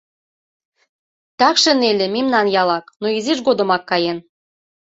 Такше Нелли мемнан ялак, но изиж годымак каен.